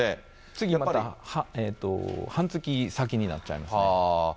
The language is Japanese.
次また、半月先になっちゃいますね。